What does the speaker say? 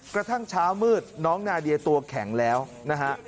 กระทั่งเช้ามืดน้องนาเดียตัวแข็งแล้วนะฮะ